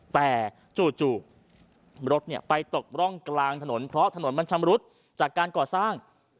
แต่จู่รถไปตกร่องกลางถนนเพราะถนนมันชำรุดจากการก่อสร้าง